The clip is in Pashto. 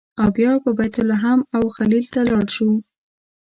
او بیا به بیت لحم او الخلیل ته لاړ شو.